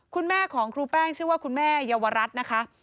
คุณแม่ของครูแป้งชื่อว่าคุณแม่เยาวรัฐนะคะ